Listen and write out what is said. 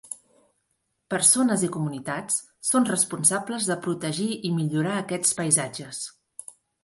Persones i comunitats són responsables de protegir i millorar aquests paisatges.